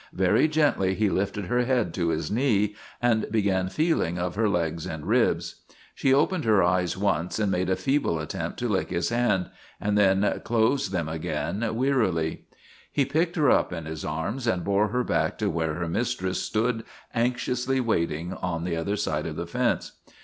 Very gently he lifted her head to his knee and be gan feeling of her legs and ribs. She opened her eyes once and made a feeble attempt to lick his hand, and then closed them again wearily. He picked her up in his arms and bore her back to where her mistress stood anxiously waiting on the other side of the fence.